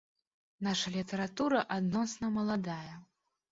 Наша літаратура адносна маладая.